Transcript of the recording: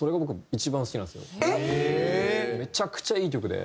めちゃくちゃいい曲で。